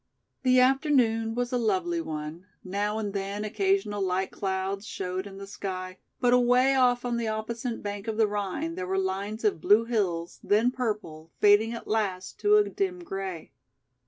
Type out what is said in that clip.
The afternoon was a lovely one, now and then occasional light clouds showed in the sky, but away off on the opposite bank of the Rhine there were lines of blue hills, then purple, fading at last to a dim grey.